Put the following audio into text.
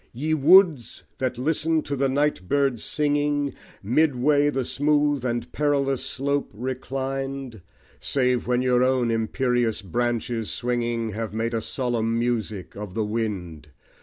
Ye Woods! that listen to the night bird's singing, Midway the smooth and perilous slope reclined, Save when your own imperious branches swinging, Have made a solemn music of the wind!